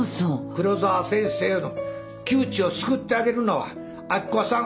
黒沢先生の窮地を救ってあげるのは明子さん